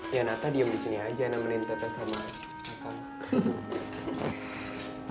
ya nata diem di sini aja nemenin tete sama apa